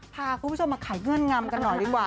พาคุณผู้ชมมาขายเงื่อนงำกันหน่อยดีกว่า